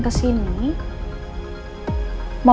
gak ada apa apa